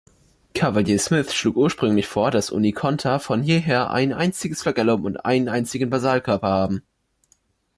Cavalier-Smith schlug ursprünglich vor, dass Unikonta von je her ein einziges Flagellum und einen einzigen Basalkörper haben.